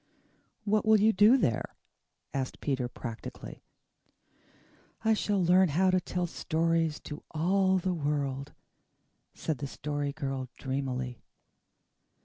"What will you do there?" asked Peter practically. "I shall learn how to tell stories to all the world," said the Story Girl dreamily.